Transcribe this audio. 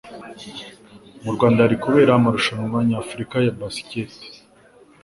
Mu Rwanda hari kubera amarushanywa nyafurika ya basikete